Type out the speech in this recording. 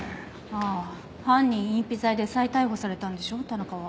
ああ犯人隠避罪で再逮捕されたんでしょ田中は。